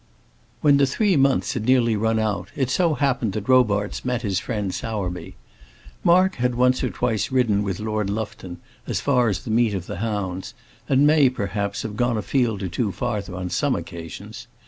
When the three months had nearly run out, it so happened that Robarts met his friend Sowerby. Mark had once or twice ridden with Lord Lufton as far as the meet of the hounds, and may, perhaps, have gone a field or two farther on some occasions.